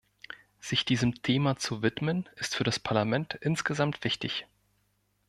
Sich diesem Thema zu widmen, ist für das Parlament insgesamt wichtig.